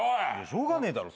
しょうがねえだろ。